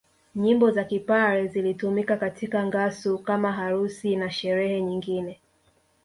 Nyimbo za Kipare zilitumika katika ngasu kama harusi na sherehe nyingine